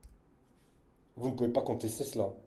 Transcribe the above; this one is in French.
Vous ne pouvez pas contester cela